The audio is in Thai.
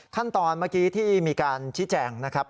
ขั้นตอนเมื่อกี้ที่มีการชี้แจงนะครับ